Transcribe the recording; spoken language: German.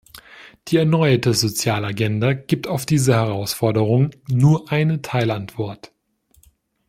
Die erneuerte Sozialagenda gibt auf diese Herausforderung nur eine Teilantwort.